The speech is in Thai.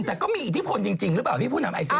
แต่ก็มีอิทธิพลจริงหรือเปล่าพี่ผู้นำไอซี